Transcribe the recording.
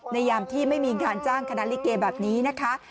ยามที่ไม่มีงานจ้างคณะลิเกแบบนี้นะคะ